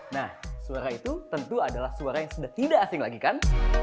nah suara itu tentu adalah suara yang sudah tidak asing lagi kan